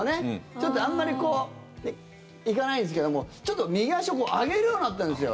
ちょっと、あんまりこう行かないんですけどもちょっと右足を上げるようになったんですよ。